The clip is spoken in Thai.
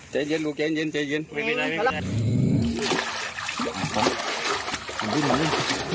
ใจเย็นลูกใจเย็นใจเย็นไม่เป็นไร